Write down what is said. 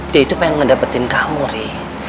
dia itu pengen ngedapetin kamu ri